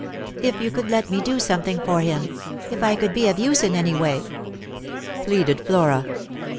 "If you could let me do something for him; if I could be of use, in any way," pleaded Flora.